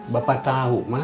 bapak tau mak